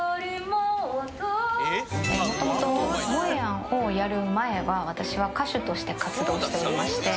もともとモエヤンをやる前は私は歌手として活動しておりまして。